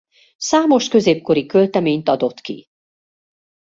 Számos középkori költeményt adott ki.